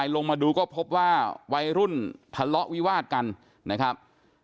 ลงมาดูก็พบว่าวัยรุ่นทะเลาะวิวาดกันนะครับ